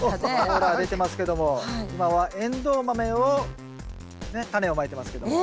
オーラは出てますけども今はエンドウ豆をタネをまいてますけども。